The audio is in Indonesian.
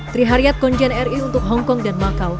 terihariat konjian ri untuk hongkong dan macau